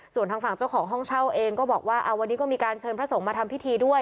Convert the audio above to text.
ส่วนทางฝั่งเจ้าของห้องเช่าเองก็บอกว่าวันนี้ก็มีการเชิญพระสงฆ์มาทำพิธีด้วย